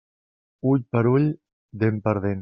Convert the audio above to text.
Ull per ull, dent per dent.